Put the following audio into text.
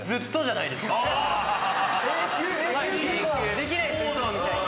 できないですいつもみたいに。